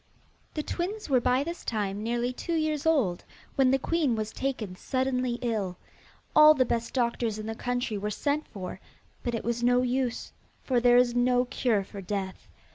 The twins were by this time nearly two years old, when the queen was taken suddenly ill. All the best doctors in the country were sent for, but it was no use, for there is no cure for death.